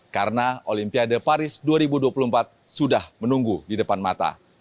karena olimpiade paris dua ribu dua puluh empat sudah menunggu di depan mata